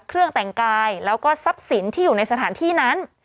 เครื่องแต่งกายแล้วก็ทรัพย์สินที่อยู่ในสถานที่นั้น